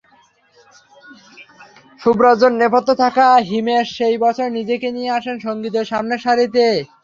সুররাজ্যের নেপথ্যে থাকা হিমেশ সেই বছর নিজেকে নিয়ে আসেন সংগীতের সামনের সারিতে।